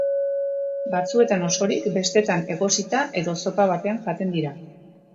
Batzuetan osorik, bestetan egosita edo zopa batean jaten dira.